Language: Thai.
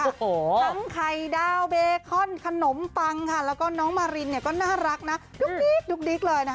ทั้งไข่ดาวเบคอนขนมปังค่ะแล้วก็น้องมารินก็น่ารักนะดุ๊กดิ๊กดุ๊กดิ๊กเลยนะคะ